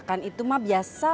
kamu juga pesan